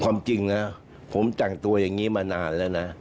ความจริงนะผมแต่งตัวอย่างนี้มานานแล้วนะ